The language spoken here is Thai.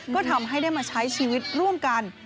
ก็ทำให้ได้มาใช้ชีวิตร่วมกัน